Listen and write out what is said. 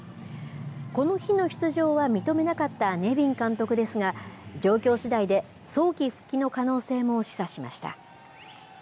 この日の出場は認めなかったネビン監督ですが、状況次第で、早期復帰の可能性も示唆しました。